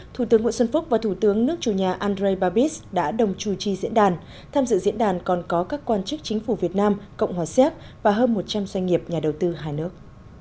thủ tướng nguyễn xuân phúc và thủ tướng nước chủ nhà andrei babis đã đồng chủ trì diễn đàn tham dự diễn đàn còn có các quan chức chính phủ việt nam cộng hòa xéc và hơn một trăm linh doanh nghiệp nhà đầu tư hai nước